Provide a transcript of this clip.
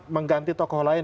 mengganti tokoh lain